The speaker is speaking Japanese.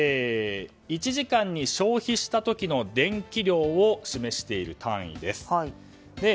１時間に消費した時の電気量を示している単位です。